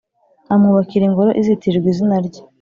amwubakira Ingoro izitirirwa izina rye,